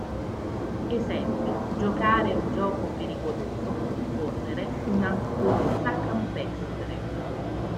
Esempi:"Giocare un gioco pericoloso", "Correre una corsa campestre".